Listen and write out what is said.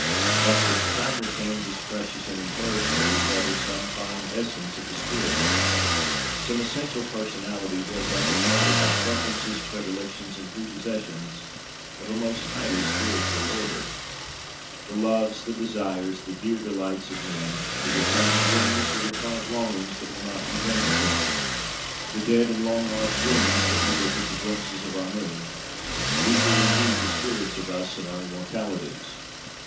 That which Time retains as precious and imperishable is rather some fine essence of the spirit, some essential personality built up and moulded by preferences, predilections, and prepossessions of a most highly spiritual order. The loves, the desires, the dear delights of men; the returning dreams, the recurrent longings that will not be gainsaid; the dead and long lost dreamings that revisit the glimpses of our moon these are indeed the spirits of us, and our immortalities.